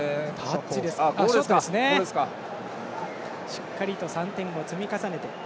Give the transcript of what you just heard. しっかりと３点を積み重ねて。